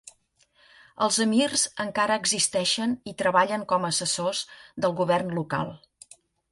Els emirs encara existeixen i treballen com a assessors del govern local.